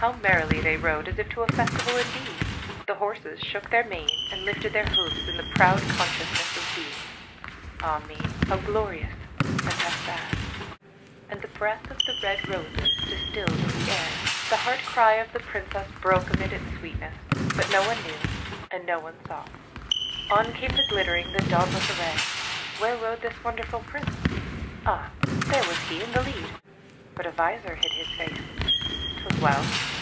How merrily they rode, as if to a festival indeed ! The horses shook their manes and lifted their hoofs in the proud conscious ness of being. Ah me! How glorious and how sad! " Xof to this mati gizr I )uy hand." ^ f I THE PRINCESS AND THE CUP BEARER 59 And the breath of the red roses distilled in the air. The heart cry of the princess broke amid its sweetness. But no one knew and no one saw. On came the glittering, the dauntless array. Where rode this wonderful prince? Ah, there was he, in the lead! But a visor hid his face. 'Twas well.